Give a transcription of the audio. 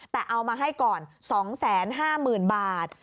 แต่เอามาให้ก่อน๒๕๐๐๐บาท